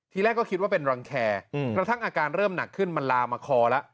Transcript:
ทีแรกก็คิดว่าเป็นรังแคกระทั่งอาการเริ่มหนักขึ้นมันลามมาคอแล้ว